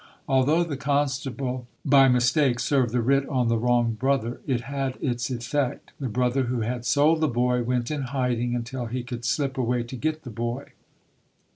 Al D though the constable by mistake served the writ on the wrong brother, it had its effect. The brother who had sold the boy went in hiding until he could dip away to get the boy.